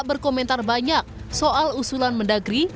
berkomentar banyak soal usulan mendagri